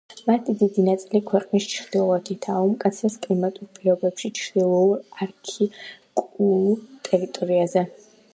მათი დიდი ნაწილი ქვეყნის ჩრდილოეთითაა, უმკაცრეს კლიმატურ პირობებში ჩრდილოურ არქტიკულ ტერიტორიაზე.